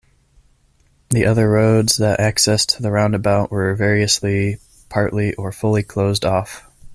The other roads that accessed the roundabout were variously partly or fully closed off.